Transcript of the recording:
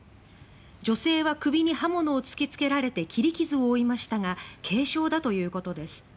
女性は首に刃物を突きつけられて切り傷を負いましたが軽傷だということです。